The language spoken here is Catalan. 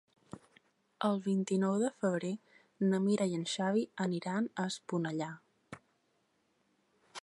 El vint-i-nou de febrer na Mira i en Xavi aniran a Esponellà.